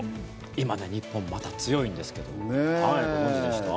今、日本、また強いんですけどもご存じでした？